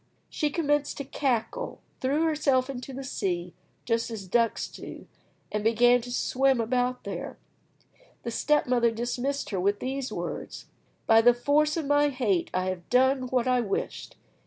She commenced to cackle, threw herself into the sea, just as ducks do, and began to swim about there. The step mother dismissed her with these words: "By the force of my hate, I have done what I wished!